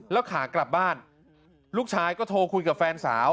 แล้วขากลับบ้านลูกชายก็โทรคุยกับแฟนสาว